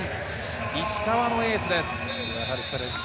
石川のエースです。